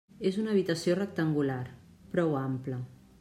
És una habitació rectangular, prou ampla.